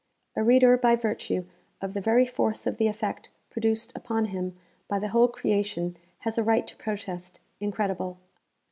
A reader by virtue of the very force of the effect produced upon him by the whole creation has a right to protest, incredible.